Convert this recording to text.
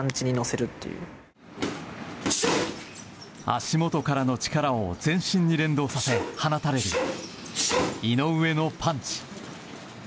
足元からの力を全身に連動させ放たれる、井上のパンチ。